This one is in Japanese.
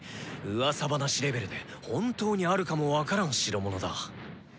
うわさ話レベルで本当にあるかも分からん代物だ。